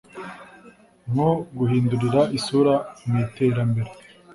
nko guhindurira isura mu iterambere